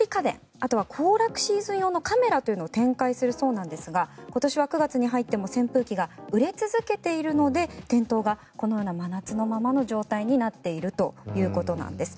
あとは行楽シーズン用のカメラというのを展開するそうなんですが今年は９月に入っても扇風機が売れ続けているので店頭がこのような真夏のままの状態になっているということなんです。